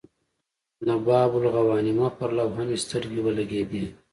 د باب الغوانمه پر لوحه مې سترګې ولګېدې.